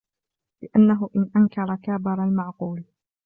لِأَنَّهُ إنْ أَنْكَرَ كَابَرَ الْمَعْقُولَ